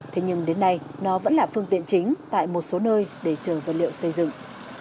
thế nhưng đến nay nó vẫn là phương tiện chính tại một số nơi để chở vật liệu xây dựng